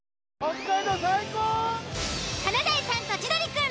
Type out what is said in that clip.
「華大さんと千鳥くん」